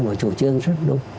một chủ trương rất đúng